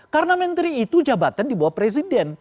karena menteri itu jabatan di bawah presiden